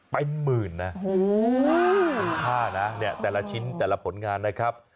เป็นหมื่นนะคุณค่านะเนี่ยแต่ละชิ้นแต่ละผลงานนะครับ